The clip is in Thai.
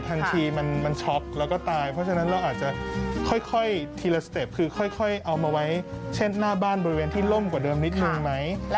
ทันทีมันช็อกแล้วก็ตายเพราะฉะนั้นเราอาจจะค่อยทีละสเต็ปคือค่อยเอามาไว้เช่นหน้าบ้านบริเวณที่ล่มกว่าเดิมนิดนึงไหม